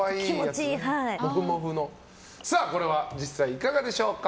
これは実際いかがでしょうか。